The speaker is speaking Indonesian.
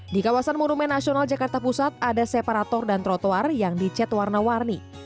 di kawasan monumen nasional jakarta pusat ada separator dan trotoar yang dicet warna warni